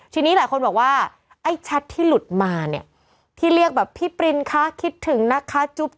ทีนี้หลายคนบอกว่าไอ้แชทที่หลุดมาเนี่ยที่เรียกแบบพี่ปรินคะคิดถึงนะคะจุ๊บ